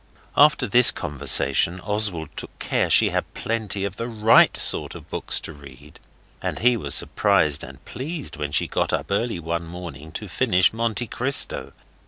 After this conversation Oswald took care she had plenty of the right sort of books to read, and he was surprised and pleased when she got up early one morning to finish Monte Cristo.